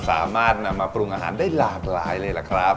สามารถนำมาปรุงอาหารได้หลากหลายเลยล่ะครับ